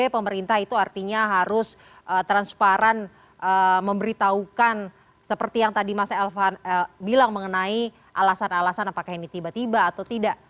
pemerintah itu artinya harus transparan memberitahukan seperti yang tadi mas elvan bilang mengenai alasan alasan apakah ini tiba tiba atau tidak